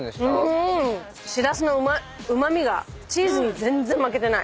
シラスのうま味がチーズに全然負けてない。